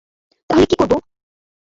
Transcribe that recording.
তাহলে কী করবো?